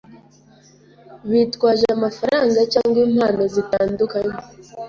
bitwaje amafaranga cyangwa impano zitandukanye